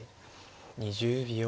２０秒。